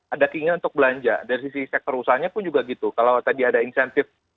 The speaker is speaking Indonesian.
ada keinginan untuk belanja dari sisi sektor usahanya pun juga gitu kalau tadi ada insentif